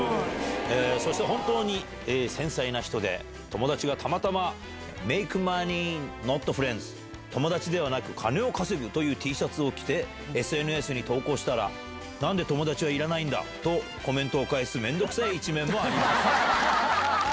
そして本当に繊細な人で、友達がたまたま、メーク・マネー・ノット・フレンズ、友達ではなく金を稼ぐというＴシャツを着て、ＳＮＳに投稿したら、なんで友達はいらないんだと返す、めんどくさい一面もあります。